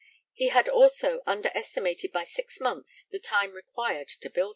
He had also under estimated by six months the time required to build her.